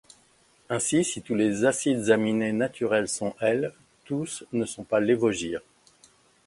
Ainsi, si tous les acides aminés naturels sont L, tous ne sont pas lévogyres.